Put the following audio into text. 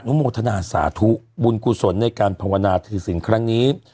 โมทนาสาธุบุญกุศลในการภาวนาถือศิลป์ครั้งนี้